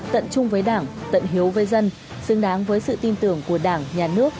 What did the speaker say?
tận chung với đảng tận hiếu với dân xứng đáng với sự tin tưởng của đảng nhà nước